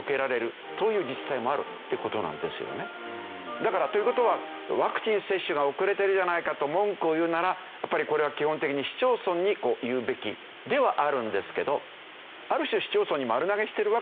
だからという事はワクチン接種が遅れてるじゃないかと文句を言うならやっぱりこれは基本的に市町村に言うべきではあるんですけどある種市町村に丸投げしてるわけですよね。